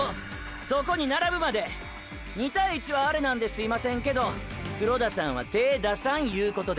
そこに並ぶまで２対１はアレなんですいませんけど黒田さんは手ェ出さんいうことで。